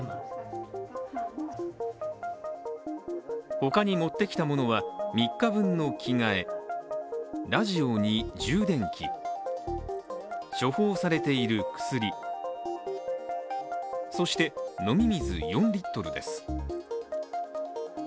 ほかに持ってきたものは３日分の着替えラジオに充電器処方されている薬、そして飲み水４リットルです。